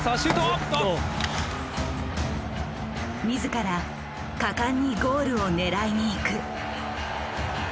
自ら果敢にゴールを狙いに行く。